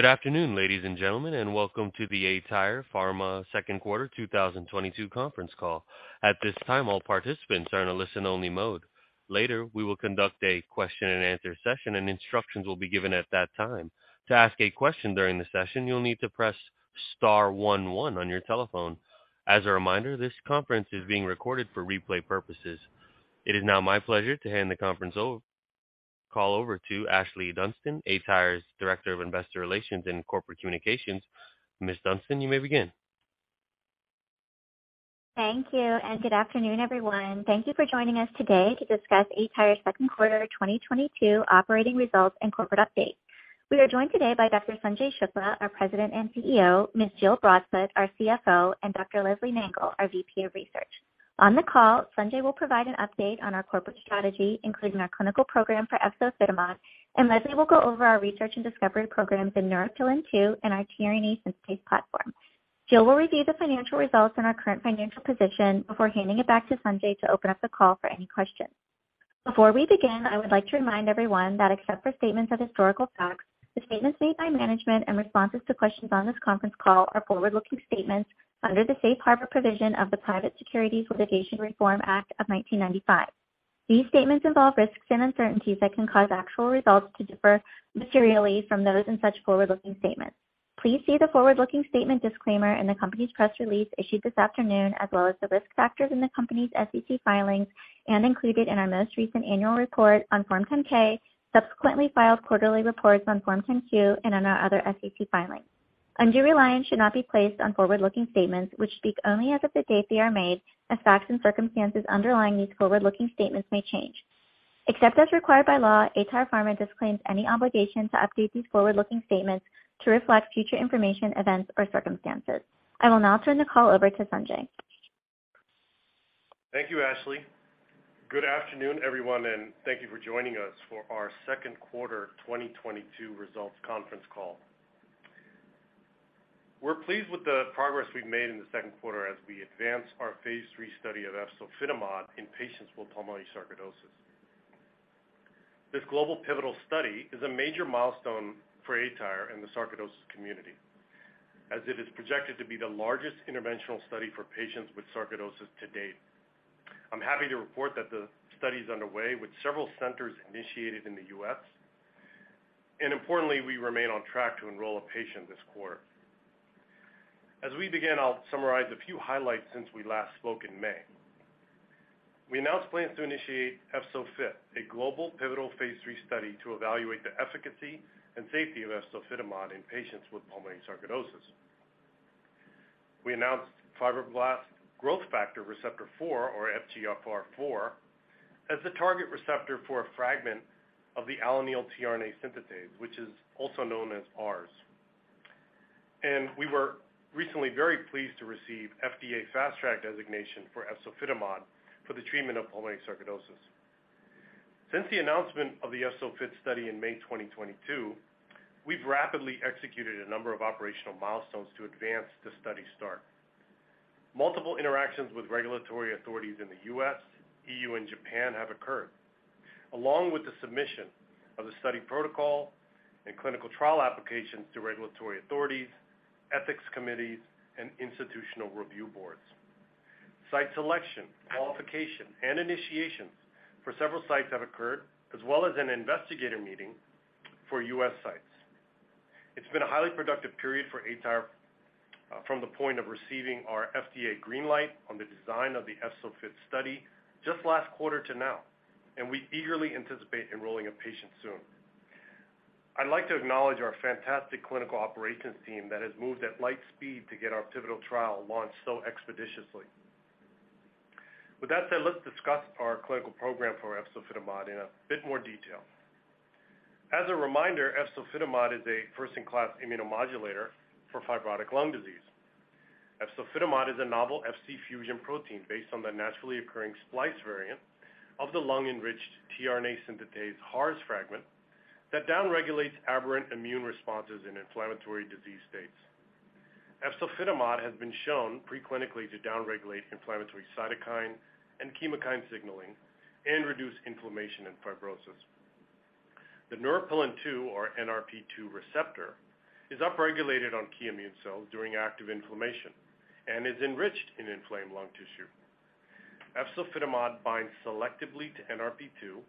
Good afternoon, ladies and gentlemen, and welcome to the aTyr Pharma second quarter 2022 conference call. At this time, all participants are in a listen-only mode. Later, we will conduct a question-and-answer session, and instructions will be given at that time. To ask a question during the session, you'll need to press star one one on your telephone. As a reminder, this conference is being recorded for replay purposes. It is now my pleasure to hand the conference call over to Ashlee Dunston, aTyr's Director of Investor Relations and Corporate Communications. Ms. Dunston, you may begin. Thank you, and good afternoon, everyone. Thank you for joining us today to discuss aTyr's second quarter 2022 operating results and corporate update. We are joined today by Dr. Sanjay Shukla, our President and CEO, Ms. Jill Broadfoot, our CFO, and Dr. Leslie Nangle, our VP of Research. On the call, Sanjay will provide an update on our corporate strategy, including our clinical program for efzofitimod, and Leslie will go over our research and discovery programs in Neuropilin-2 and our tRNA Synthetase platform. Jill will review the financial results and our current financial position before handing it back to Sanjay to open up the call for any questions. Before we begin, I would like to remind everyone that except for statements of historical facts, the statements made by management and responses to questions on this conference call are forward-looking statements under the Safe Harbor provision of the Private Securities Litigation Reform Act of 1995. These statements involve risks and uncertainties that can cause actual results to differ materially from those in such forward-looking statements. Please see the forward-looking statement disclaimer in the company's press release issued this afternoon, as well as the risk factors in the company's SEC filings and included in our most recent annual report on Form 10-K, subsequently filed quarterly reports on Form 10-Q and in our other SEC filings. Undue reliance should not be placed on forward-looking statements which speak only as of the date they are made, as facts and circumstances underlying these forward-looking statements may change. Except as required by law, aTyr Pharma disclaims any obligation to update these forward-looking statements to reflect future information, events, or circumstances. I will now turn the call over to Sanjay. Thank you, Ashlee. Good afternoon, everyone, and thank you for joining us for our second quarter 2022 results conference call. We're pleased with the progress we've made in the second quarter as we advance our phase III study of efzofitimod in patients with pulmonary sarcoidosis. This global pivotal study is a major milestone for aTyr and the sarcoidosis community, as it is projected to be the largest interventional study for patients with sarcoidosis to date. I'm happy to report that the study is underway with several centers initiated in the U.S., and importantly, we remain on track to enroll a patient this quarter. As we begin, I'll summarize a few highlights since we last spoke in May. We announced plans to initiate EFZO-FIT, a global pivotal phase III study to evaluate the efficacy and safety of efzofitimod in patients with pulmonary sarcoidosis. We announced fibroblast growth factor receptor four or FGFR4 as the target receptor for a fragment of the alanine tRNA synthetase, which is also known as ARS. We were recently very pleased to receive FDA Fast Track designation for efzofitimod for the treatment of pulmonary sarcoidosis. Since the announcement of the EFZO-FIT study in May 2022, we've rapidly executed a number of operational milestones to advance the study start. Multiple interactions with regulatory authorities in the U.S., E.U., and Japan have occurred, along with the submission of the study protocol and clinical trial applications to regulatory authorities, ethics committees, and institutional review boards. Site selection, qualification, and initiations for several sites have occurred, as well as an investigator meeting for U.S. sites. It's been a highly productive period for aTyr from the point of receiving our FDA green light on the design of the EFZO-FIT study just last quarter to now, and we eagerly anticipate enrolling a patient soon. I'd like to acknowledge our fantastic clinical operations team that has moved at light speed to get our pivotal trial launched so expeditiously. With that said, let's discuss our clinical program for efzofitimod in a bit more detail. As a reminder, efzofitimod is a first-in-class immunomodulator for fibrotic lung disease. Efzofitimod is a novel Fc fusion protein based on the naturally occurring splice variant of the lung-enriched tRNA synthetase HARS fragment that down-regulates aberrant immune responses in inflammatory disease states. Efzofitimod has been shown pre-clinically to down-regulate inflammatory cytokine and chemokine signaling and reduce inflammation and fibrosis. The Neuropilin-2 or NRP2 receptor is upregulated on key immune cells during active inflammation and is enriched in inflamed lung tissue. Efzofitimod binds selectively to NRP2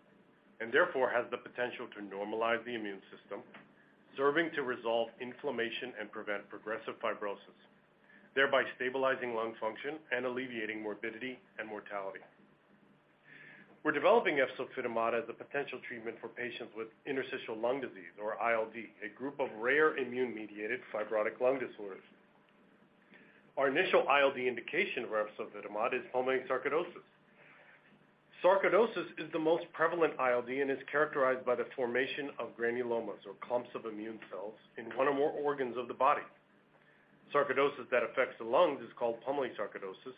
and therefore has the potential to normalize the immune system, serving to resolve inflammation and prevent progressive fibrosis, thereby stabilizing lung function and alleviating morbidity and mortality. We're developing efzofitimod as a potential treatment for patients with interstitial lung disease or ILD, a group of rare immune-mediated fibrotic lung disorders. Our initial ILD indication for efzofitimod is pulmonary sarcoidosis. Sarcoidosis is the most prevalent ILD and is characterized by the formation of granulomas or clumps of immune cells in one or more organs of the body. Sarcoidosis that affects the lungs is called pulmonary sarcoidosis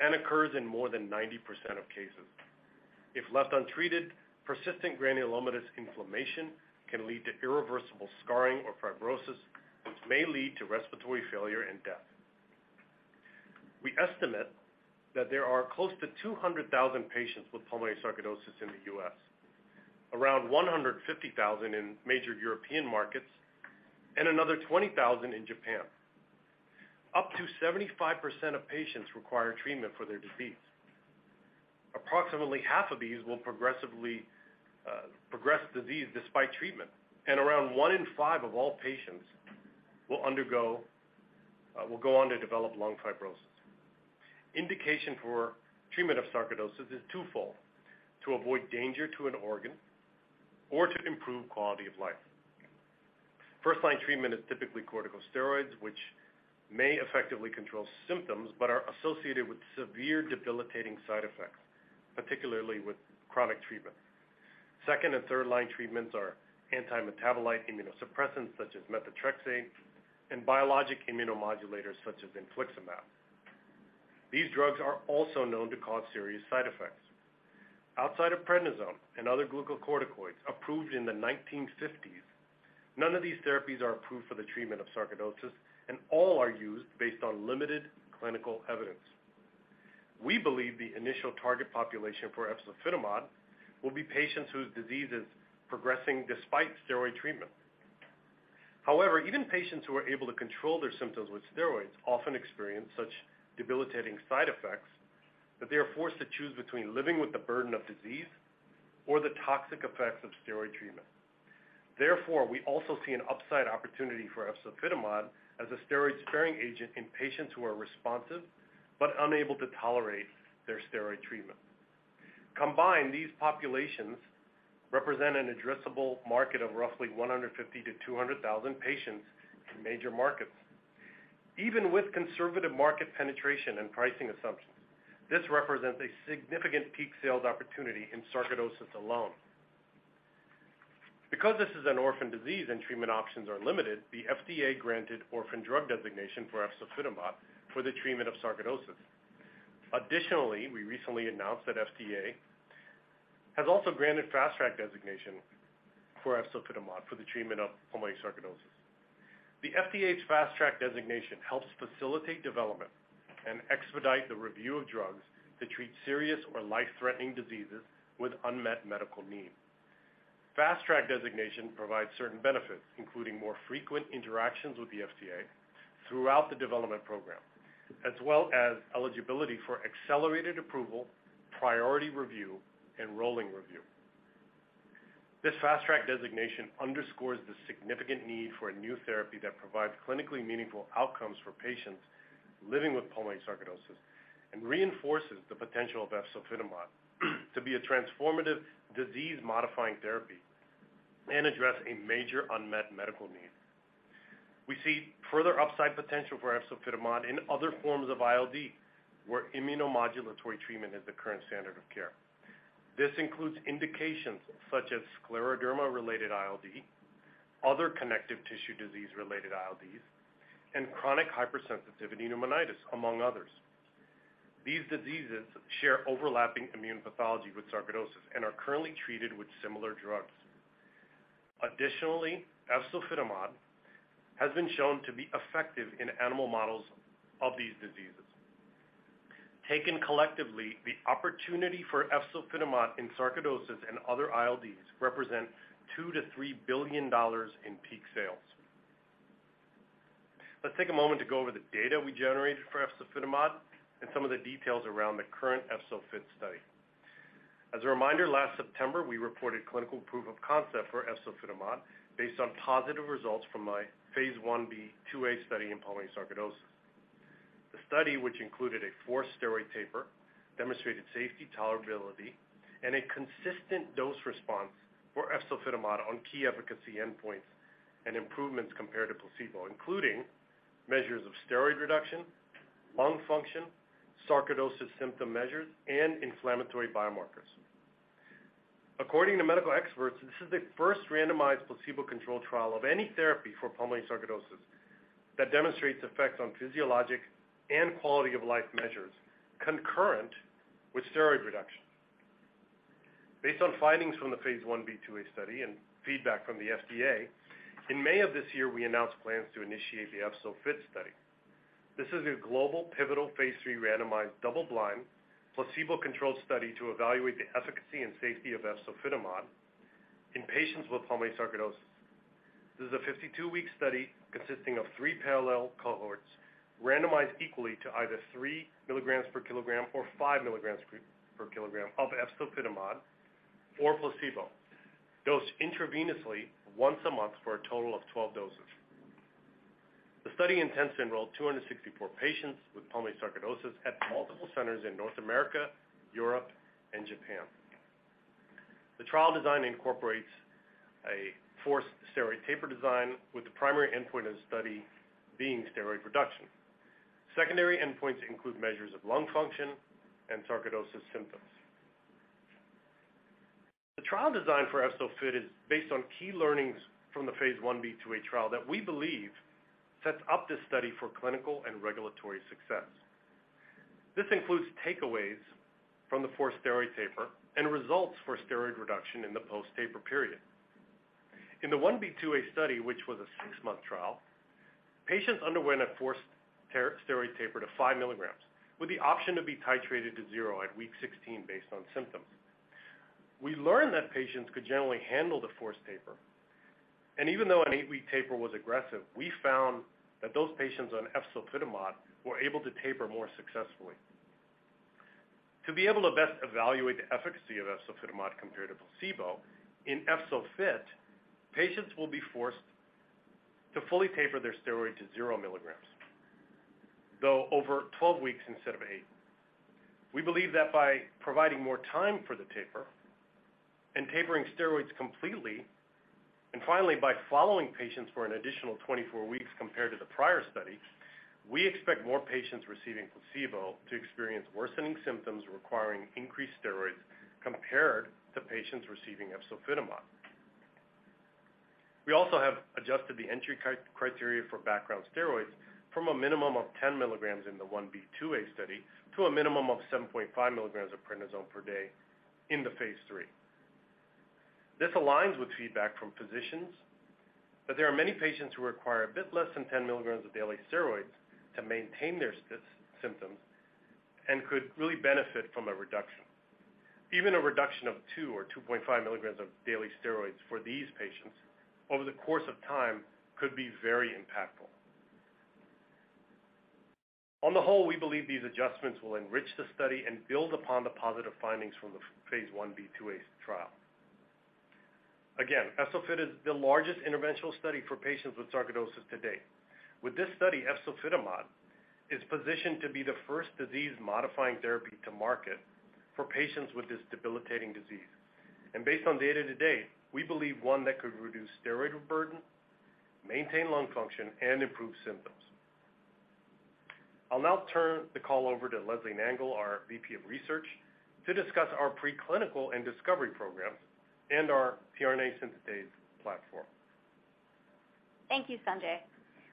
and occurs in more than 90% of cases. If left untreated, persistent granulomatous inflammation can lead to irreversible scarring or fibrosis, which may lead to respiratory failure and death. We estimate that there are close to 200,000 patients with pulmonary sarcoidosis in the U.S., around 150,000 in major European markets, and another 20,000 in Japan. Up to 75% of patients require treatment for their disease. Approximately half of these will progressively progress disease despite treatment, and around one in five of all patients will go on to develop lung fibrosis. Indication for treatment of sarcoidosis is twofold, to avoid danger to an organ or to improve quality of life. First line treatment is typically corticosteroids, which may effectively control symptoms but are associated with severe debilitating side effects, particularly with chronic treatment. Second and third-line treatments are anti-metabolite immunosuppressants such as methotrexate and biologic immunomodulators such as infliximab. These drugs are also known to cause serious side effects. Outside of prednisone and other glucocorticoids approved in the 1950s, none of these therapies are approved for the treatment of sarcoidosis, and all are used based on limited clinical evidence. We believe the initial target population for efzofitimod will be patients whose disease is progressing despite steroid treatment. However, even patients who are able to control their symptoms with steroids often experience such debilitating side effects that they are forced to choose between living with the burden of disease or the toxic effects of steroid treatment. Therefore, we also see an upside opportunity for efzofitimod as a steroid-sparing agent in patients who are responsive but unable to tolerate their steroid treatment. Combined, these populations represent an addressable market of roughly 150-200,000 patients in major markets. Even with conservative market penetration and pricing assumptions, this represents a significant peak sales opportunity in sarcoidosis alone. Because this is an orphan disease and treatment options are limited, the FDA granted orphan drug designation for efzofitimod for the treatment of sarcoidosis. Additionally, we recently announced that FDA has also granted Fast Track designation for efzofitimod for the treatment of pulmonary sarcoidosis. The FDA's Fast Track designation helps facilitate development and expedite the review of drugs that treat serious or life-threatening diseases with unmet medical needs. Fast Track designation provides certain benefits, including more frequent interactions with the FDA throughout the development program, as well as eligibility for accelerated approval, priority review, and rolling review. This Fast Track designation underscores the significant need for a new therapy that provides clinically meaningful outcomes for patients living with pulmonary sarcoidosis and reinforces the potential of efzofitimod to be a transformative disease-modifying therapy and address a major unmet medical need. We see further upside potential for efzofitimod in other forms of ILD, where immunomodulatory treatment is the current standard of care. This includes indications such as scleroderma-related ILD, other connective tissue disease-related ILDs, and chronic hypersensitivity pneumonitis, among others. These diseases share overlapping immune pathology with sarcoidosis and are currently treated with similar drugs. Additionally, efzofitimod has been shown to be effective in animal models of these diseases. Taken collectively, the opportunity for efzofitimod in sarcoidosis and other ILDs represent $2 billion-$3 billion in peak sales. Let's take a moment to go over the data we generated for efzofitimod and some of the details around the current EFZO-FIT study. As a reminder, last September, we reported clinical proof of concept for efzofitimod based on positive results from my phase I-B/II-A study in pulmonary sarcoidosis. The study, which included a forced steroid taper, demonstrated safety, tolerability, and a consistent dose response for efzofitimod on key efficacy endpoints and improvements compared to placebo, including measures of steroid reduction, lung function, sarcoidosis symptom measures, and inflammatory biomarkers. According to medical experts, this is the first randomized placebo-controlled trial of any therapy for pulmonary sarcoidosis that demonstrates effects on physiologic and quality-of-life measures concurrent with steroid reduction. Based on findings from the phase I-B/II-A study and feedback from the FDA, in May of this year, we announced plans to initiate the EFZO-FIT study. This is a global pivotal phase III randomized double-blind placebo-controlled study to evaluate the efficacy and safety of efzofitimod in patients with pulmonary sarcoidosis. This is a 52-week study consisting of three parallel cohorts randomized equally to either 3 mg per kg or 5 mg per kg of efzofitimod or placebo, dosed intravenously once a month for a total of 12 doses. The study intends to enroll 264 patients with pulmonary sarcoidosis at multiple centers in North America, Europe, and Japan. The trial design incorporates a forced steroid taper design, with the primary endpoint of the study being steroid reduction. Secondary endpoints include measures of lung function and sarcoidosis symptoms. The trial design for EFZO-FIT is based on key learnings from the phase I-B/II-A trial that we believe sets up this study for clinical and regulatory success. This includes takeaways from the forced steroid taper and results for steroid reduction in the post-taper period. In the 1-B/II-A study, which was a six-month trial, patients underwent a forced steroid taper to 5 mg with the option to be titrated to zero at week 16 based on symptoms. We learned that patients could generally handle the forced taper, and even though an 8-week taper was aggressive, we found that those patients on efzofitimod were able to taper more successfully. To be able to best evaluate the efficacy of efzofitimod compared to placebo, in EFZO-FIT, patients will be forced to fully taper their steroids to zero mg, though over 12 weeks instead of eight. We believe that by providing more time for the taper and tapering steroids completely, and finally, by following patients for an additional 24 weeks compared to the prior study, we expect more patients receiving placebo to experience worsening symptoms requiring increased steroids compared to patients receiving efzofitimod. We also have adjusted the entry criteria for background steroids from a minimum of 10 mg in the I-B/II-A study to a minimum of 7.5 mg of prednisone per day in the phase III. This aligns with feedback from physicians, but there are many patients who require a bit less than 10 mg of daily steroids to maintain their symptoms and could really benefit from a reduction. Even a reduction of 2 mg or 2.5 mg of daily steroids for these patients over the course of time could be very impactful. On the whole, we believe these adjustments will enrich the study and build upon the positive findings from phase IB/II-A trial. Again, EFZO-FIT is the largest interventional study for patients with sarcoidosis to date. With this study, efzofitimod is positioned to be the first disease-modifying therapy to market for patients with this debilitating disease, and based on data to date, we believe one that could reduce steroid burden, maintain lung function, and improve symptoms. I'll now turn the call over to Leslie Nangle, our VP of Research, to discuss our preclinical and discovery programs and our tRNA synthetase platform. Thank you, Sanjay.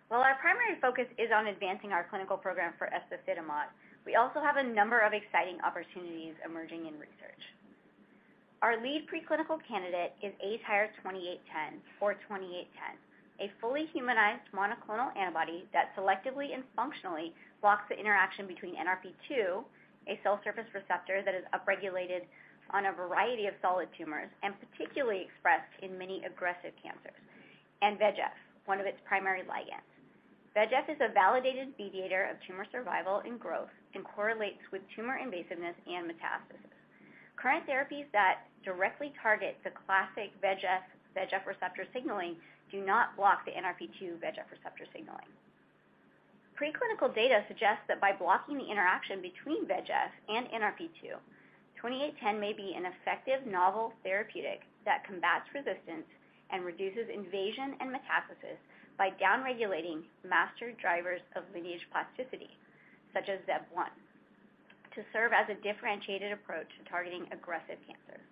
While our primary focus is on advancing our clinical program for efzofitimod, we also have a number of exciting opportunities emerging in research. Our lead preclinical candidate is ATYR2810, or 2810, a fully humanized monoclonal antibody that selectively and functionally blocks the interaction between NRP-2, a cell surface receptor that is upregulated on a variety of solid tumors and particularly expressed in many aggressive cancers, and VEGF, one of its primary ligands. VEGF is a validated mediator of tumor survival and growth and correlates with tumor invasiveness and metastasis. Current therapies that directly target the classic VEGF receptor signaling do not block the NRP-2/VEGF receptor signaling. Preclinical data suggests that by blocking the interaction between VEGF and NRP-2, 2810 may be an effective novel therapeutic that combats resistance and reduces invasion and metastasis by downregulating master drivers of lineage plasticity, such as ZEB1, to serve as a differentiated approach to targeting aggressive cancers.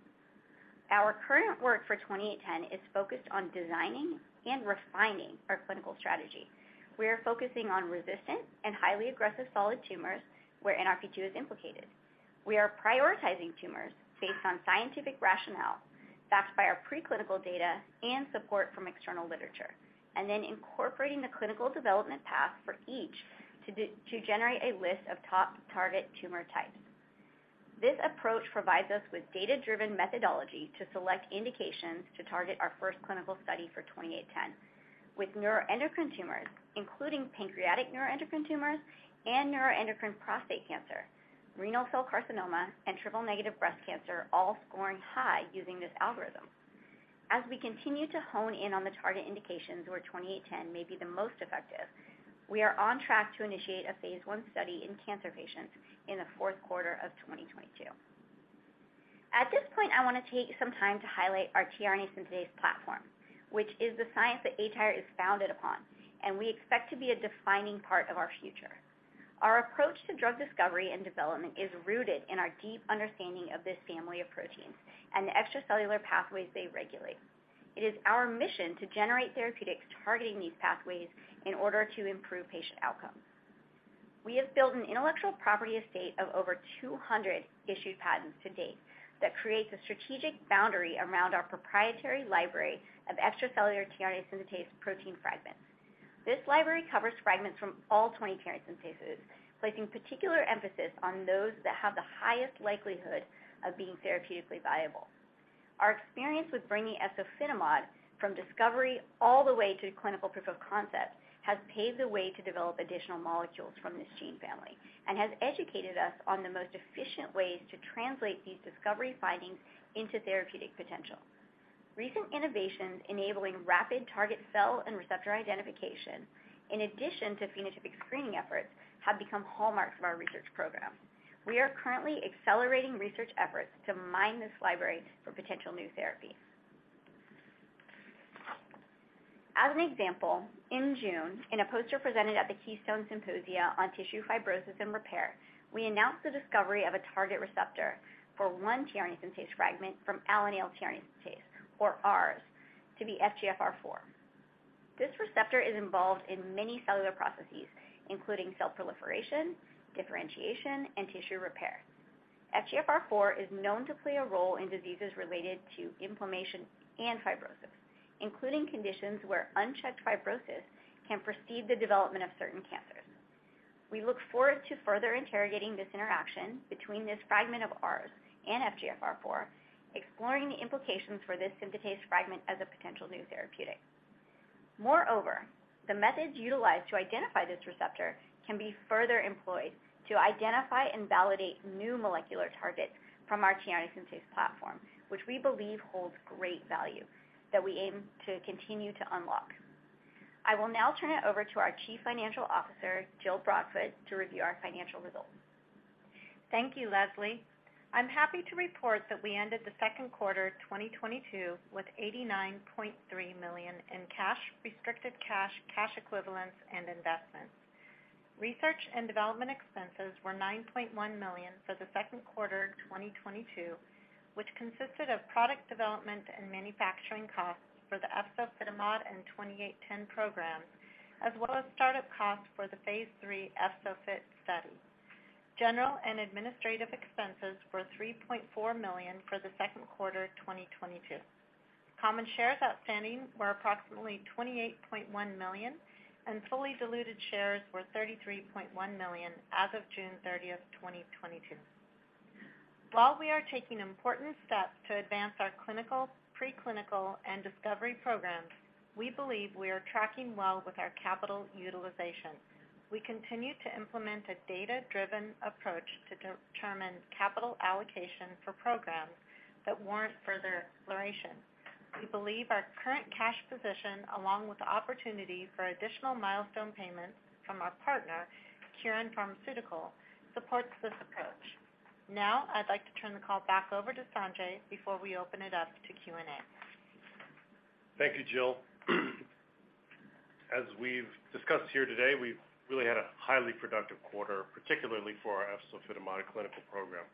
Our current work for 2810 is focused on designing and refining our clinical strategy. We are focusing on resistant and highly aggressive solid tumors where NRP-2 is implicated. We are prioritizing tumors based on scientific rationale backed by our preclinical data and support from external literature, and then incorporating the clinical development path for each to generate a list of top target tumor types. This approach provides us with data-driven methodology to select indications to target our first clinical study for 2810 with neuroendocrine tumors, including pancreatic neuroendocrine tumors and neuroendocrine prostate cancer, renal cell carcinoma, and triple-negative breast cancer all scoring high using this algorithm. As we continue to hone in on the target indications where 2810 may be the most effective, we are on track to initiate a phase I study in cancer patients in the fourth quarter of 2022. At this point, I want to take some time to highlight our tRNA synthetase platform, which is the science that aTyr is founded upon and we expect to be a defining part of our future. Our approach to drug discovery and development is rooted in our deep understanding of this family of proteins and the extracellular pathways they regulate. It is our mission to generate therapeutics targeting these pathways in order to improve patient outcomes. We have built an intellectual property estate of over 200 issued patents to date that creates a strategic boundary around our proprietary library of extracellular tRNA synthetase protein fragments. This library covers fragments from all 20 tRNA synthetases, placing particular emphasis on those that have the highest likelihood of being therapeutically viable. Our experience with bringing efzofitimod from discovery all the way to clinical proof of concept has paved the way to develop additional molecules from this gene family and has educated us on the most efficient ways to translate these discovery findings into therapeutic potential. Recent innovations enabling rapid target cell and receptor identification, in addition to phenotypic screening efforts, have become hallmarks of our research program. We are currently accelerating research efforts to mine this library for potential new therapies. As an example, in June, in a poster presented at the Keystone Symposia on Tissue Fibrosis and Repair, we announced the discovery of a target receptor for one tRNA synthetase fragment from alanine tRNA synthetase, or ARS, to be FGFR4. This receptor is involved in many cellular processes, including cell proliferation, differentiation, and tissue repair. FGFR4 is known to play a role in diseases related to inflammation and fibrosis, including conditions where unchecked fibrosis can precede the development of certain cancers. We look forward to further interrogating this interaction between this fragment of ours and FGFR4, exploring the implications for this synthetase fragment as a potential new therapeutic. Moreover, the methods utilized to identify this receptor can be further employed to identify and validate new molecular targets from our tRNA synthetase platform, which we believe holds great value that we aim to continue to unlock. I will now turn it over to our Chief Financial Officer, Jill Broadfoot, to review our financial results. Thank you, Leslie. I'm happy to report that we ended the second quarter 2022 with $89.3 million in cash, restricted cash equivalents, and investments. Research and development expenses were $9.1 million for the second quarter 2022, which consisted of product development and manufacturing costs for the efzofitimod and ATYR2810 programs, as well as start-up costs for the phase III EFZO-FIT study. General and administrative expenses were $3.4 million for the second quarter 2022. Common shares outstanding were approximately 28.1 million, and fully diluted shares were 33.1 million as of June 30th, 2022. While we are taking important steps to advance our clinical, preclinical, and discovery programs, we believe we are tracking well with our capital utilization. We continue to implement a data-driven approach to determine capital allocation for programs that warrant further exploration. We believe our current cash position, along with the opportunity for additional milestone payments from our partner, Kyorin Pharmaceutical, supports this approach. Now, I'd like to turn the call back over to Sanjay before we open it up to Q&A. Thank you, Jill. As we've discussed here today, we've really had a highly productive quarter, particularly for our efzofitimod clinical program.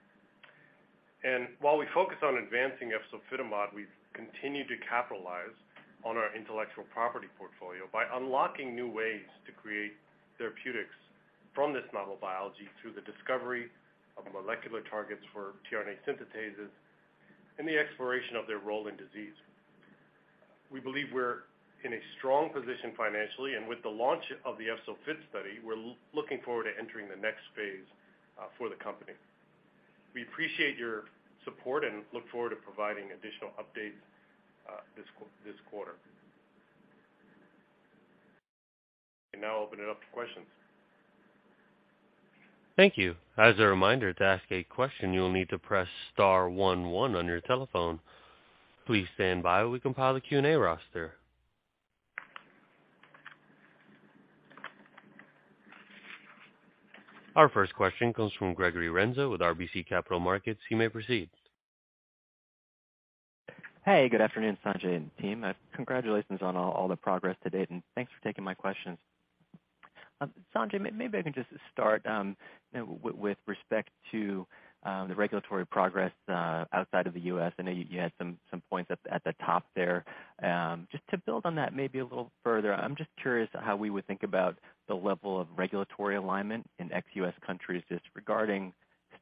While we focus on advancing efzofitimod, we've continued to capitalize on our intellectual property portfolio by unlocking new ways to create therapeutics from this novel biology through the discovery of molecular targets for tRNA synthetases and the exploration of their role in disease. We believe we're in a strong position financially, and with the launch of the EFZO-FIT study, we're looking forward to entering the next phase for the company. We appreciate your support and look forward to providing additional updates this quarter. We now open it up to questions. Thank you. As a reminder, to ask a question, you will need to press star one one on your telephone. Please stand by while we compile the Q&A roster. Our first question comes from Gregory Renza with RBC Capital Markets. You may proceed. Hey, good afternoon, Sanjay and team. Congratulations on all the progress to date, and thanks for taking my questions. Sanjay, maybe I can just start with respect to the regulatory progress outside of the U.S.. I know you had some points at the top there. Just to build on that maybe a little further, I'm just curious how we would think about the level of regulatory alignment in ex-U.S. countries just regarding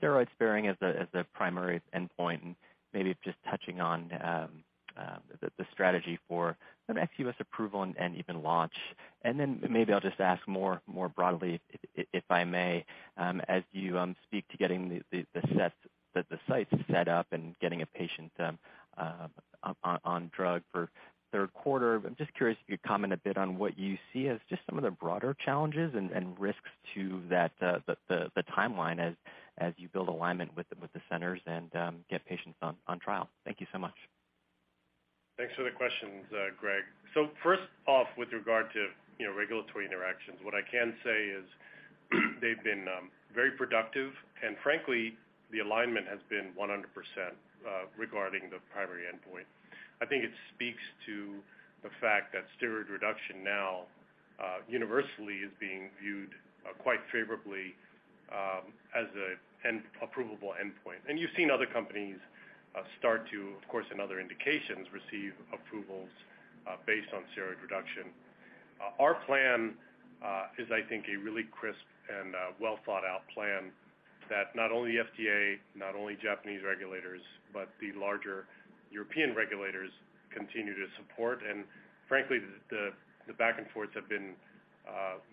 steroid-sparing as the primary endpoint, and maybe just touching on the strategy for an ex-U.S. approval and even launch. Maybe I'll just ask more broadly if I may, as you speak to getting the sites set up and getting a patient on drug for third quarter. I'm just curious if you could comment a bit on what you see as just some of the broader challenges and risks to that, the timeline as you build alignment with the centers and get patients on trial. Thank you so much. Thanks for the questions, Greg. First off, with regard to, you know, regulatory interactions, what I can say is they've been very productive, and frankly, the alignment has been 100% regarding the primary endpoint. I think it speaks to the fact that steroid reduction now universally is being viewed quite favorably as an approvable endpoint. You've seen other companies start to, of course, in other indications, receive approvals based on steroid reduction. Our plan is I think a really crisp and well-thought-out plan that not only FDA, not only Japanese regulators, but the larger European regulators continue to support. Frankly, the back and forths have been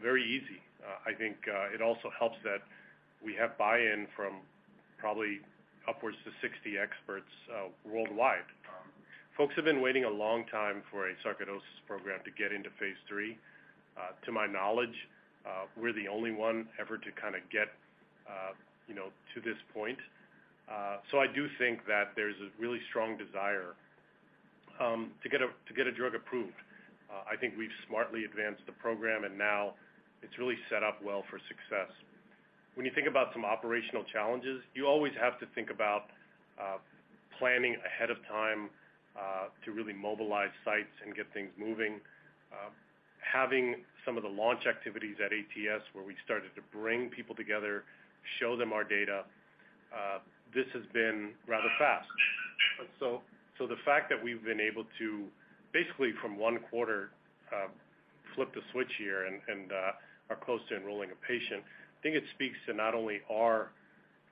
very easy. I think it also helps that we have buy-in from probably upwards to 60 experts worldwide. Folks have been waiting a long time for a sarcoidosis program to get into phase III. To my knowledge, we're the only one ever to kind of get you know to this point. I do think that there's a really strong desire to get a drug approved. I think we've smartly advanced the program, and now it's really set up well for success. When you think about some operational challenges, you always have to think about planning ahead of time to really mobilize sites and get things moving. Having some of the launch activities at ATS, where we started to bring people together, show them our data, this has been rather fast. The fact that we've been able to basically from one quarter, flip the switch here and are close to enrolling a patient, I think it speaks to not only our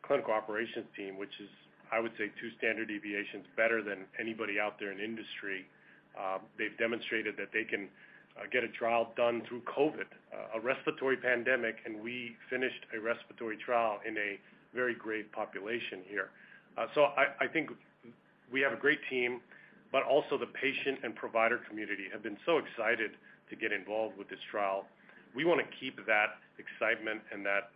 clinical operations team, which is, I would say, two standard deviations better than anybody out there in the industry. They've demonstrated that they can get a trial done through COVID, a respiratory pandemic, and we finished a respiratory trial in a very grave population here. I think we have a great team, but also the patient and provider community have been so excited to get involved with this trial. We wanna keep that excitement and that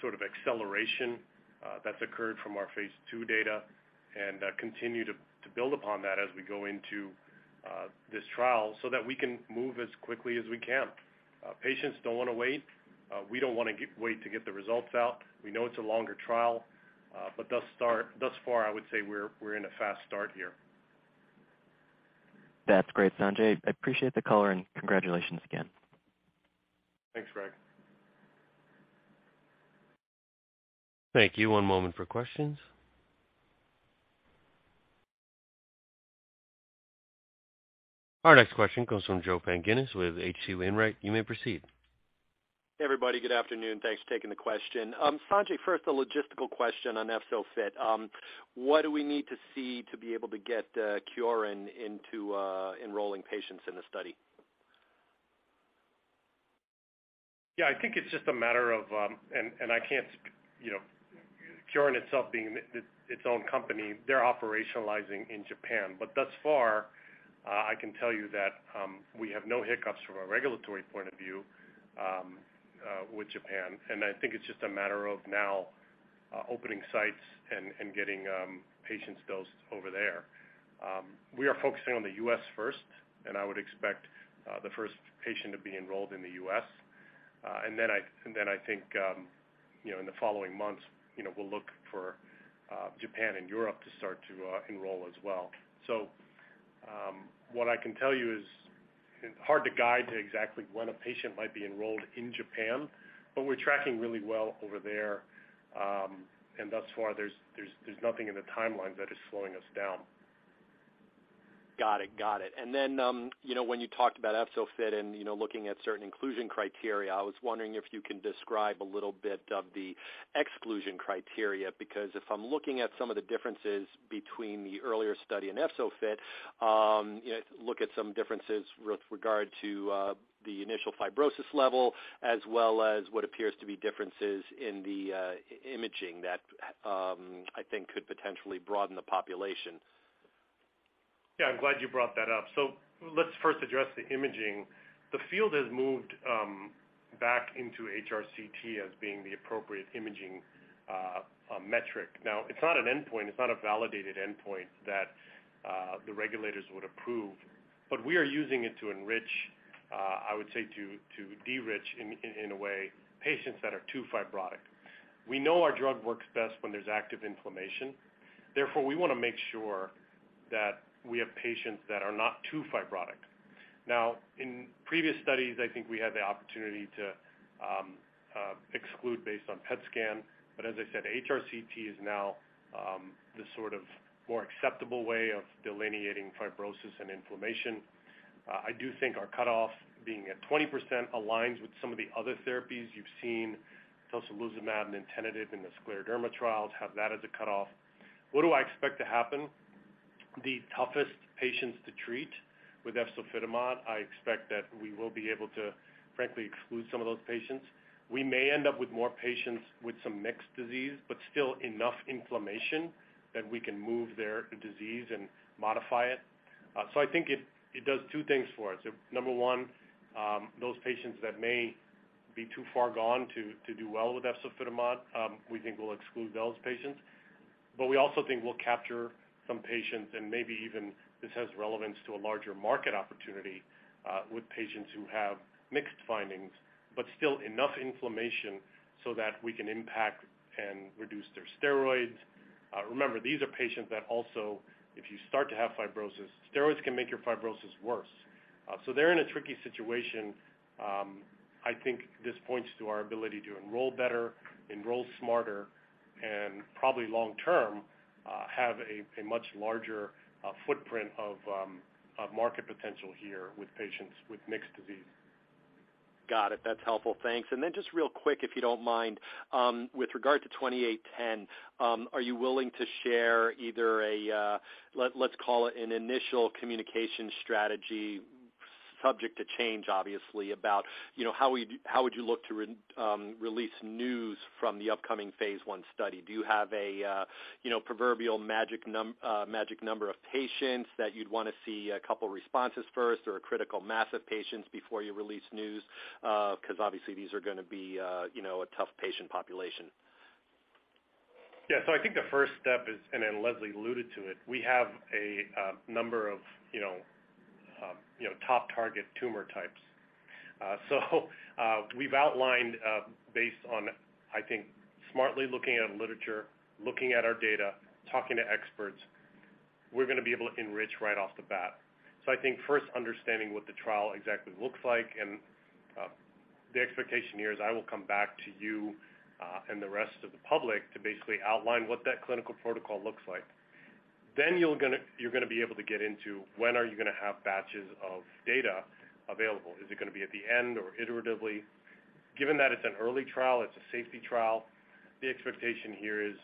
sort of acceleration that's occurred from our phase II data and continue to build upon that as we go into this trial so that we can move as quickly as we can. Patients don't wanna wait. We don't wanna wait to get the results out. We know it's a longer trial, but thus far, I would say we're in a fast start here. That's great, Sanjay. I appreciate the color, and congratulations again. Thanks, Greg. Thank you. One moment for questions. Our next question comes from Joseph Pantginis with H.C. Wainwright. You may proceed. Everybody, good afternoon. Thanks for taking the question. Sanjay, first, a logistical question on EFZO-FIT. What do we need to see to be able to get Kyorin into enrolling patients in the study? Yeah, I think it's just a matter of you know, Kyorin itself being its own company. They're operationalizing in Japan. Thus far, I can tell you that we have no hiccups from a regulatory point of view with Japan. I think it's just a matter of now opening sites and getting patients dosed over there. We are focusing on the U.S. first, and I would expect the first patient to be enrolled in the U.S.. Then I think you know, in the following months, you know, we'll look for Japan and Europe to start to enroll as well. What I can tell you is it's hard to guide to exactly when a patient might be enrolled in Japan, but we're tracking really well over there. Thus far, there's nothing in the timeline that is slowing us down. Got it. You know, when you talked about EFZO-FIT and, you know, looking at certain inclusion criteria, I was wondering if you can describe a little bit of the exclusion criteria. Because if I'm looking at some of the differences between the earlier study and EFZO-FIT, you know, look at some differences with regard to the initial fibrosis level, as well as what appears to be differences in the imaging that I think could potentially broaden the population. Yeah, I'm glad you brought that up. Let's first address the imaging. The field has moved back into HRCT as being the appropriate imaging metric. Now, it's not an endpoint. It's not a validated endpoint that the regulators would approve. We are using it to enrich, I would say to de-risk in a way, patients that are too fibrotic. We know our drug works best when there's active inflammation. Therefore, we wanna make sure that we have patients that are not too fibrotic. Now, in previous studies, I think we had the opportunity to exclude based on PET scan. As I said, HRCT is now the sort of more acceptable way of delineating fibrosis and inflammation. I do think our cutoff being at 20% aligns with some of the other therapies you've seen. Tocilizumab and nintedanib in the Scleroderma trials have that as a cutoff. What do I expect to happen? The toughest patients to treat with efzofitimod, I expect that we will be able to frankly exclude some of those patients. We may end up with more patients with some mixed disease, but still enough inflammation that we can move their disease and modify it. I think it does two things for us. Number one, those patients that may be too far gone to do well with efzofitimod, we think we'll exclude those patients. We also think we'll capture some patients and maybe even this has relevance to a larger market opportunity, with patients who have mixed findings, but still enough inflammation so that we can impact and reduce their steroids. Remember, these are patients that also, if you start to have fibrosis, steroids can make your fibrosis worse. They're in a tricky situation. I think this points to our ability to enroll better, enroll smarter, and probably long term, have a much larger footprint of market potential here with patients with mixed disease. Got it. That's helpful. Thanks. Just real quick, if you don't mind. With regard to ATYR2810, are you willing to share either a, let's call it an initial communication strategy subject to change, obviously, about, you know, how would you look to release news from the upcoming phase I study? Do you have a, you know, proverbial magic number of patients that you'd wanna see a couple responses first or a critical mass of patients before you release news? 'Cause obviously these are gonna be, you know, a tough patient population. Yeah. I think the first step is, and then Leslie alluded to it, we have a number of, you know, top target tumor types. We've outlined based on, I think, smartly looking at literature, looking at our data, talking to experts. We're gonna be able to enrich right off the bat. I think first understanding what the trial exactly looks like, and the expectation here is I will come back to you and the rest of the public to basically outline what that clinical protocol looks like. You're gonna be able to get into when are you gonna have batches of data available? Is it gonna be at the end or iteratively? Given that it's an early trial, it's a safety trial, the expectation here is,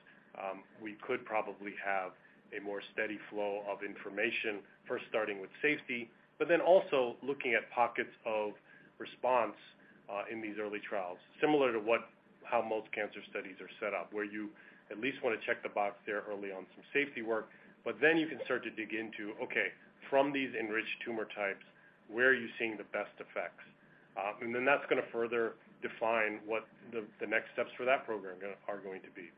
we could probably have a more steady flow of information, first starting with safety, but then also looking at pockets of response, in these early trials, similar to how most cancer studies are set up, where you at least wanna check the box there early on some safety work. Then you can start to dig into, okay, from these enriched tumor types, where are you seeing the best effects? Then that's gonna further define what the next steps for that program are going to be.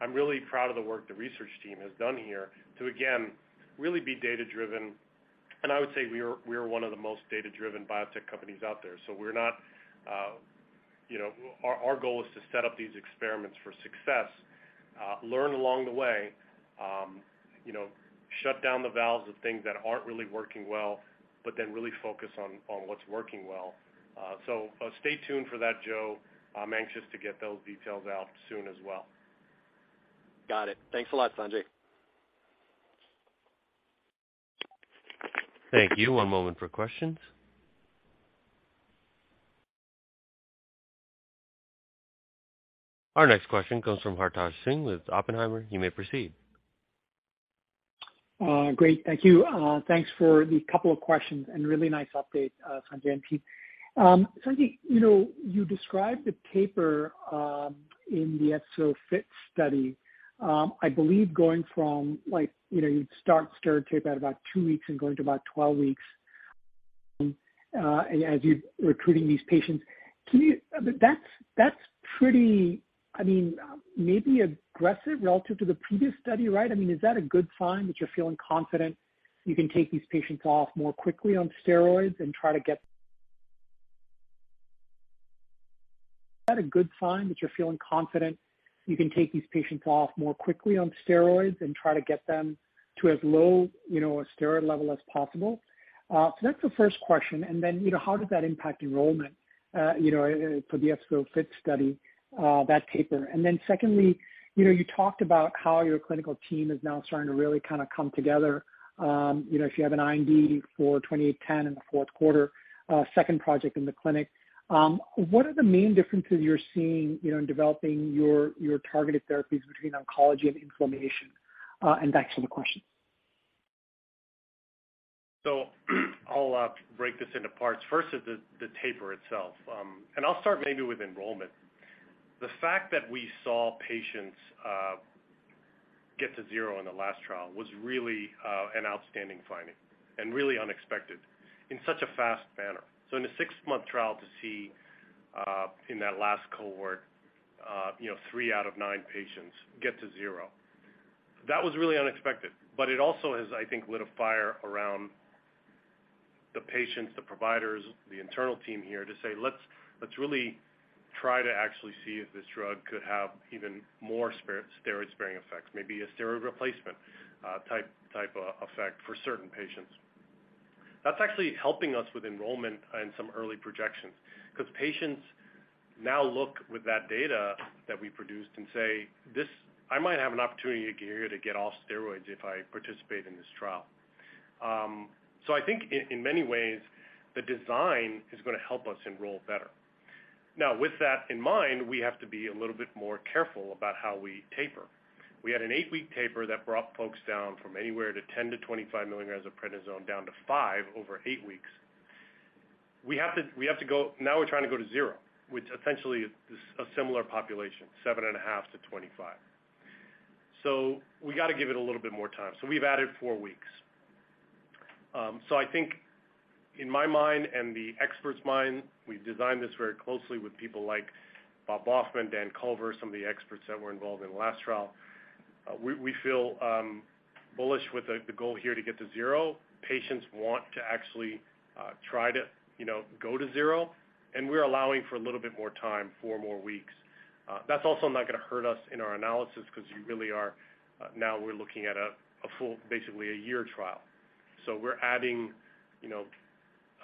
I'm really proud of the work the research team has done here to, again, really be data-driven. I would say we are one of the most data-driven biotech companies out there. We're not, you know. Our goal is to set up these experiments for success, learn along the way, you know, shut down the valves of things that aren't really working well, but then really focus on what's working well. Stay tuned for that, Joe. I'm anxious to get those details out soon as well. Got it. Thanks a lot, Sanjay. Thank you. One moment for questions. Our next question comes from Hartaj Singh with Oppenheimer. You may proceed. Great. Thank you. Thanks for the couple of questions and really nice update, Sanjay and team. Sanjay, you know, you described the taper in the EFZO-FIT study. I believe going from like, you know, you'd start steroid taper at about two weeks and going to about 12 weeks as you're recruiting these patients. That's pretty. I mean, maybe aggressive relative to the previous study, right? I mean, is that a good sign that you're feeling confident you can take these patients off more quickly on steroids and try to get them to as low, you know, a steroid level as possible? So that's the first question. You know, how did that impact enrollment, you know, for the EFZO-FIT study, that taper? Secondly, you know, you talked about how your clinical team is now starting to really kind of come together. You know, if you have an IND for 2810 in the fourth quarter, second project in the clinic. What are the main differences you're seeing, you know, in developing your targeted therapies between oncology and inflammation? Back to the question. I'll break this into parts. First is the taper itself. I'll start maybe with enrollment. The fact that we saw patients get to zero in the last trial was really an outstanding finding and really unexpected in such a fast manner. In a six-month trial to see in that last cohort you know three out of nine patients get to zero, that was really unexpected. It also has, I think, lit a fire around the patients, the providers, the internal team here to say, "Let's really try to actually see if this drug could have even more steroid sparing effects, maybe a steroid replacement, type of effect for certain patients." That's actually helping us with enrollment and some early projections, because patients now look with that data that we produced and say, "This I might have an opportunity here to get off steroids if I participate in this trial." I think in many ways, the design is gonna help us enroll better. Now, with that in mind, we have to be a little bit more careful about how we taper. We had an eight-week taper that brought folks down from anywhere to 10 mg-25 mg of prednisone down to five over eight weeks. We have to go. Now we're trying to go to zero, which essentially is a similar population, 7.5-25. We gotta give it a little bit more time. We've added four weeks. I think in my mind and the expert's mind, we've designed this very closely with people like Robert Baughman, Daniel Culver, some of the experts that were involved in the last trial. We feel bullish with the goal here to get to zero. Patients want to actually try to, you know, go to zero, and we're allowing for a little bit more time, four more weeks. That's also not gonna hurt us in our analysis 'cause you're really now looking at a full, basically a year trial. We're adding, you know,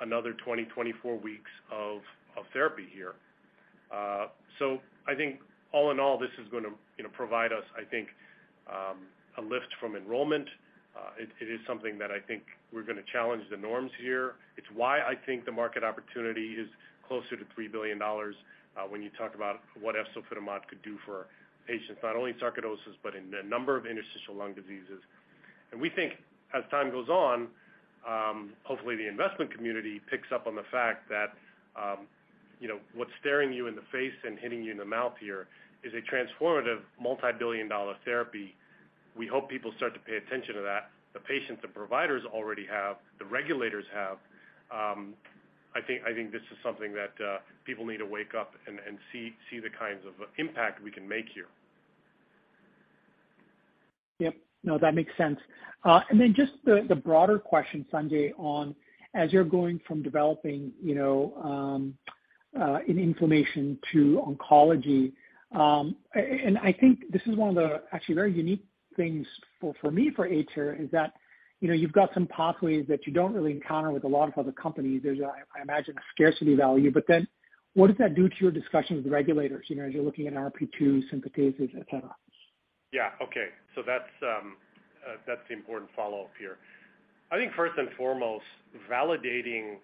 another 20-24 weeks of therapy here. I think all in all, this is gonna, you know, provide us, I think, a lift from enrollment. It is something that I think we're gonna challenge the norms here. It's why I think the market opportunity is closer to $3 billion, when you talk about what efzofitimod could do for patients, not only in sarcoidosis, but in a number of interstitial lung diseases. We think as time goes on, hopefully the investment community picks up on the fact that what's staring you in the face and hitting you in the mouth here is a transformative multi-billion dollar therapy. We hope people start to pay attention to that. The patients and providers already have. The regulators have. I think this is something that people need to wake up and see the kinds of impact we can make here. Yep. No, that makes sense. Just the broader question, Sanjay, on as you're going from developing, you know, in inflammation to oncology. I think this is one of the actually very unique things for me, for aTyr, is that, you know, you've got some pathways that you don't really encounter with a lot of other companies. There's a, I imagine, a scarcity value, but then what does that do to your discussion with the regulators, you know, as you're looking at NRP2 synthetases, et cetera? Yeah. Okay. That's the important follow-up here. I think first and foremost, validating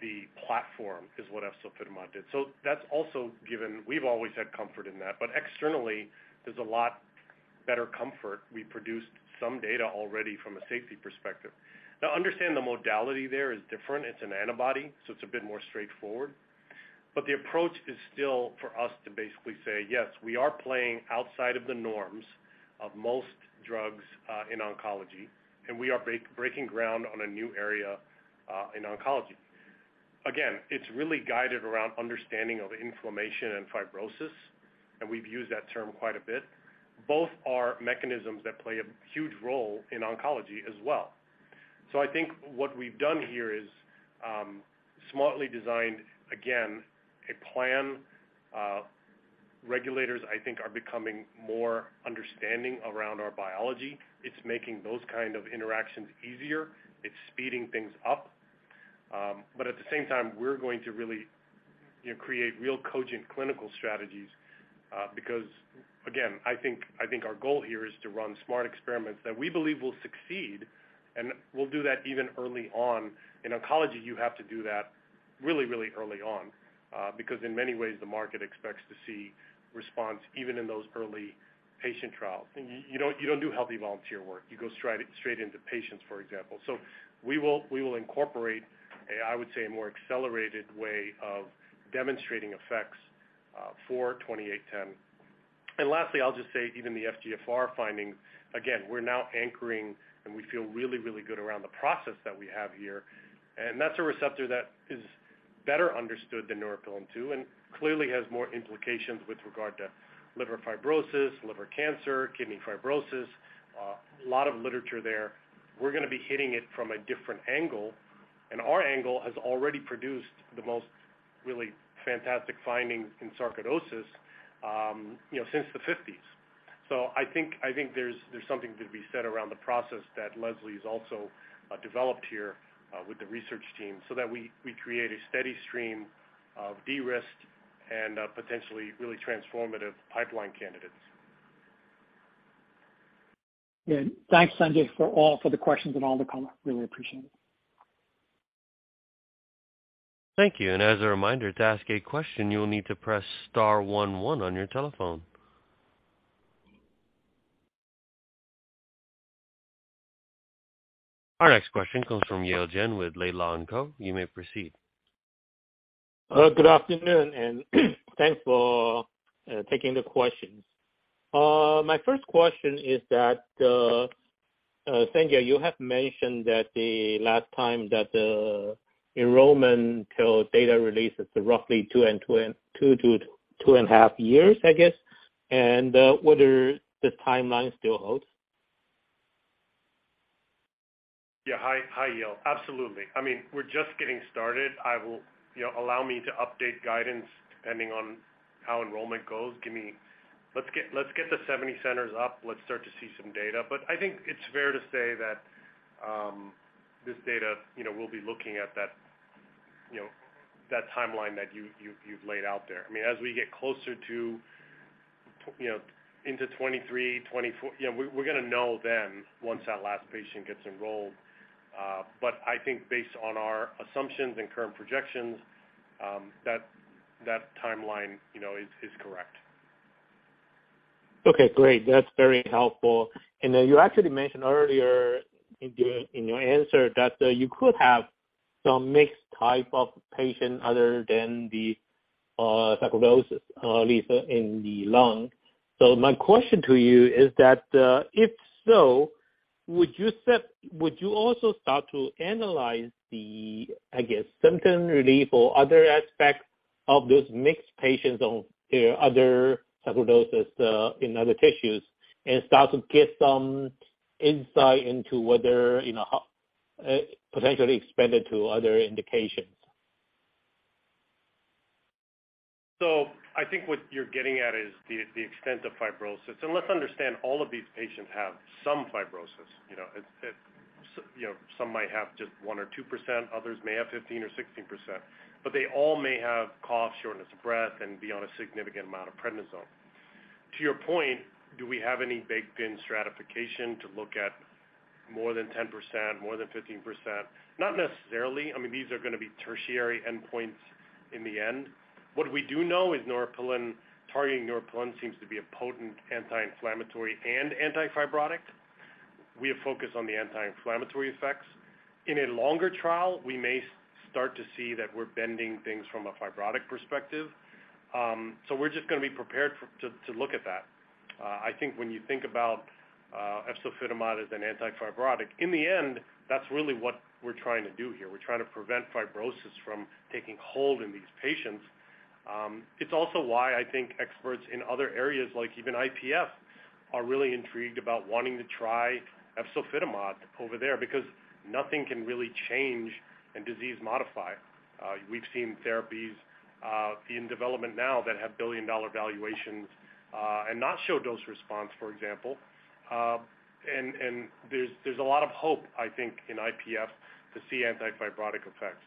the platform is what efzofitimod did. That's also given. We've always had comfort in that, but externally, there's a lot better comfort. We produced some data already from a safety perspective. Now, understand the modality there is different. It's an antibody, so it's a bit more straightforward. But the approach is still for us to basically say, "Yes, we are playing outside of the norms of most drugs in oncology, and we are breaking ground on a new area in oncology." Again, it's really guided around understanding of inflammation and fibrosis, and we've used that term quite a bit. Both are mechanisms that play a huge role in oncology as well. I think what we've done here is smartly designed, again, a plan. Regulators, I think, are becoming more understanding around our biology. It's making those kind of interactions easier. It's speeding things up. But at the same time, we're going to really, you know, create really cogent clinical strategies, because again, I think our goal here is to run smart experiments that we believe will succeed, and we'll do that even early on. In oncology, you have to do that really, really early on, because in many ways the market expects to see response even in those early patient trials. You don't do healthy volunteer work. You go straight into patients, for example. We will incorporate a, I would say, a more accelerated way of demonstrating effects, for ATYR2810. Lastly, I'll just say even the FGFR findings, again, we're now anchoring, and we feel really, really good around the process that we have here. That's a receptor that is better understood than Neuropilin-2, and clearly has more implications with regard to liver fibrosis, liver cancer, kidney fibrosis, a lot of literature there. We're gonna be hitting it from a different angle, and our angle has already produced the most really fantastic findings in sarcoidosis since the fifties. I think there's something to be said around the process that Leslie's also developed here with the research team, so that we create a steady stream of de-risked and potentially really transformative pipeline candidates. Yeah. Thanks, Sanjay, for the questions and all the comments. Really appreciate it. Thank you. As a reminder, to ask a question, you will need to press star one one on your telephone. Our next question comes from Yale Jen with Laidlaw & Co. You may proceed. Good afternoon, and thanks for taking the questions. My first question is that, Sanjay, you have mentioned that the last time that the enrollment till data release is roughly two to 2.5 years, I guess. Whether this timeline still holds? Yeah. Hi, Yale. Absolutely. I mean, we're just getting started. I will. You know, allow me to update guidance depending on how enrollment goes. Give me. Let's get the 70 centers up. Let's start to see some data. I think it's fair to say that this data, you know, we'll be looking at that, you know, that timeline that you've laid out there. I mean, as we get closer to, you know, into 2023, 2024, you know, we're gonna know then once that last patient gets enrolled. I think based on our assumptions and current projections, that timeline, you know, is correct. Okay, great. That's very helpful. You actually mentioned earlier in your answer that you could have some mixed type of patient other than the sarcoidosis lesions in the lung. My question to you is that if so, would you also start to analyze the, I guess, symptom relief or other aspects of those mixed patients on, you know, other sarcoidosis in other tissues and start to get some insight into whether, you know, how potentially expand it to other indications? I think what you're getting at is the extent of fibrosis. Let's understand all of these patients have some fibrosis. You know, it's you know, some might have just 1 or 2%, others may have 15 or 16%, but they all may have cough, shortness of breath, and be on a significant amount of prednisone. To your point, do we have any baked in stratification to look at more than 10%, more than 15%? Not necessarily. I mean, these are gonna be tertiary endpoints in the end. What we do know is neuropilin, targeting neuropilin seems to be a potent anti-inflammatory and anti-fibrotic. We have focused on the anti-inflammatory effects. In a longer trial, we may start to see that we're bending things from a fibrotic perspective. We're just gonna be prepared to look at that. I think when you think about efzofitimod as an anti-fibrotic, in the end, that's really what we're trying to do here. We're trying to prevent fibrosis from taking hold in these patients. It's also why I think experts in other areas like even IPF are really intrigued about wanting to try efzofitimod over there because nothing can really change and disease modify. We've seen therapies in development now that have billion-dollar valuations and not show dose response, for example. There's a lot of hope, I think, in IPF to see anti-fibrotic effects.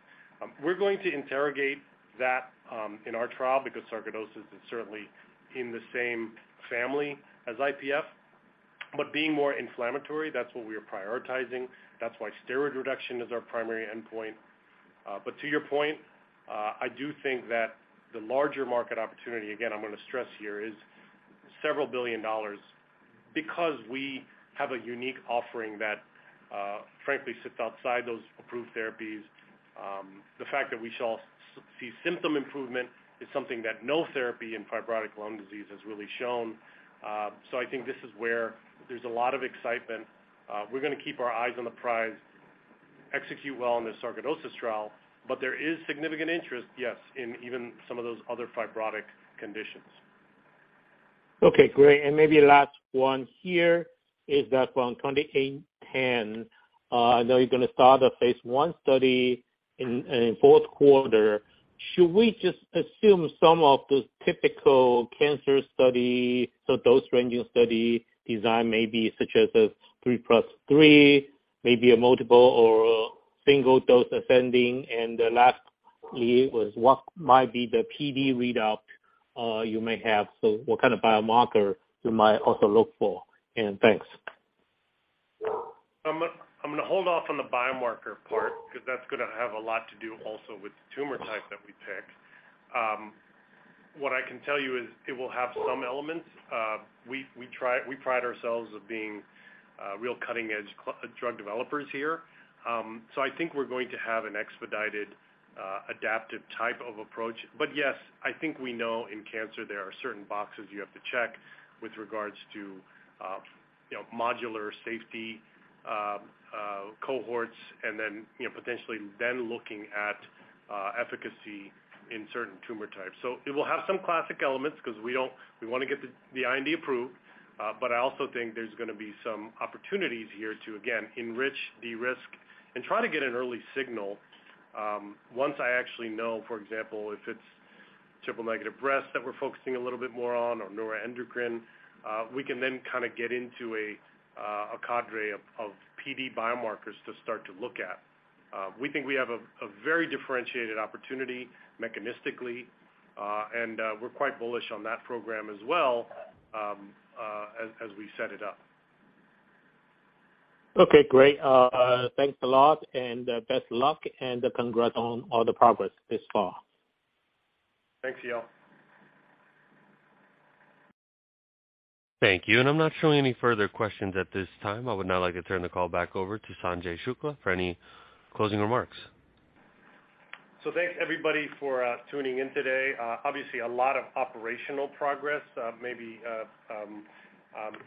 We're going to interrogate that in our trial because sarcoidosis is certainly in the same family as IPF. Being more inflammatory, that's what we are prioritizing. That's why steroid reduction is our primary endpoint. To your point, I do think that the larger market opportunity, again I'm gonna stress here, is several billion dollars because we have a unique offering that, frankly, sits outside those approved therapies. The fact that we see symptom improvement is something that no therapy in fibrotic lung disease has really shown. I think this is where there's a lot of excitement. We're gonna keep our eyes on the prize, execute well on the sarcoidosis trial, but there is significant interest, yes, in even some of those other fibrotic conditions. Okay, great. Maybe last one here is that, well, on ATYR2810, I know you're gonna start a phase I study in fourth quarter. Should we just assume some of the typical cancer study, so dose ranging study design maybe such as a three-plus-three, maybe a multiple or a single dose ascending? Lastly was what might be the PD readout you may have? So what kind of biomarker you might also look for? Thanks. I'm gonna hold off on the biomarker part 'cause that's gonna have a lot to do also with the tumor type that we pick. What I can tell you is it will have some elements. We try, we pride ourselves on being real cutting-edge drug developers here. I think we're going to have an expedited adaptive type of approach. Yes, I think we know in cancer there are certain boxes you have to check with regards to, you know, overall safety, cohorts and then, you know, potentially then looking at efficacy in certain tumor types. It will have some classic elements because we wanna get the IND approved, but I also think there's gonna be some opportunities here to again enrich the risk and try to get an early signal, once I actually know, for example, if it's triple-negative breast that we're focusing a little bit more on or neuroendocrine, we can then kind of get into a cadre of PD biomarkers to start to look at. We think we have a very differentiated opportunity mechanistically, and we're quite bullish on that program as well, as we set it up. Okay, great. Thanks a lot and best luck and congrats on all the progress this far. Thanks, Yale. Thank you. I'm not showing any further questions at this time. I would now like to turn the call back over to Sanjay Shukla for any closing remarks. Thanks everybody for tuning in today. Obviously a lot of operational progress, maybe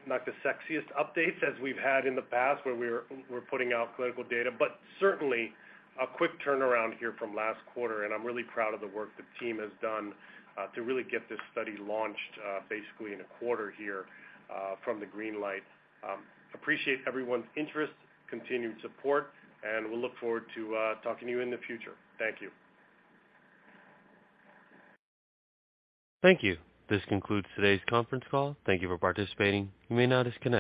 not the sexiest updates as we've had in the past where we're putting out clinical data. Certainly a quick turnaround here from last quarter, and I'm really proud of the work the team has done to really get this study launched, basically in a quarter here from the green light. Appreciate everyone's interest, continued support, and we'll look forward to talking to you in the future. Thank you. Thank you. This concludes today's conference call. Thank you for participating. You may now disconnect.